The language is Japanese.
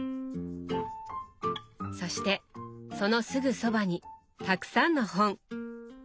そしてそのすぐそばにたくさんの本！